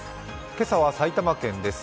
今朝は埼玉県です。